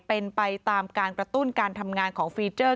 เป็นไปตามการกระตุ้นการทำงานของฟีเจอร์